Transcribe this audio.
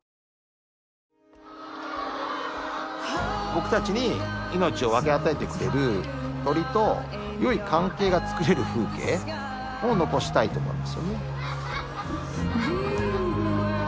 僕たちに命を分け与えてくれる鶏と良い関係がつくれる風景を残したいと思いますよね。